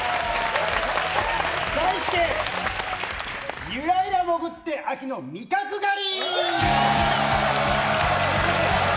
題して、ユラユラ潜って秋の味覚狩り！